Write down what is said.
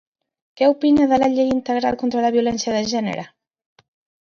Què opina de la Llei Integral contra la Violència de Gènere?